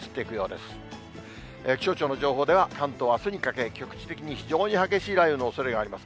気象庁の情報では、関東はあすにかけ、局地的に非常に激しい雷雨のおそれがあります。